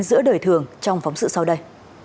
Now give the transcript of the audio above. giữa đời thường trong phóng sự sau đây